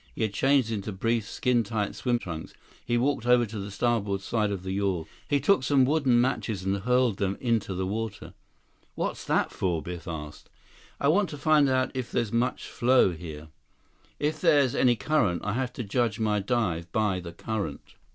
He had changed into brief, skin tight swim trunks. He walked over to the starboard side of the yawl. He took some wooden matches and hurled them into the water. "What's that for?" Biff asked. "I want to find out if there's much flow here. If there's any current. I have to judge my dive by the current."